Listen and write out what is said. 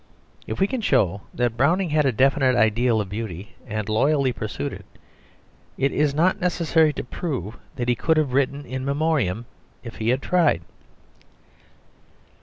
If we can show that Browning had a definite ideal of beauty and loyally pursued it, it is not necessary to prove that he could have written In Memoriam if he had tried.